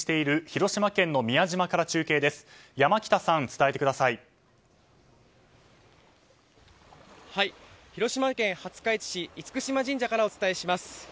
広島県廿日市市厳島神社からお伝えします。